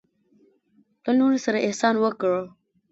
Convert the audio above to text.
له نورو سره احسان وکړه.